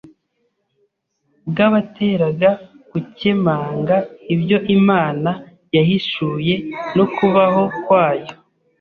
bwabateraga gukemanga ibyo Imana yahishuye no kubaho kwayo